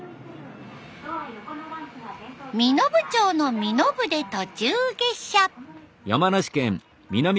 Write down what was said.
身延町の身延で途中下車。